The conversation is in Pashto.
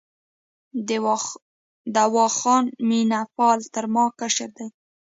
دوا خان مینه پال تر ما کشر دی.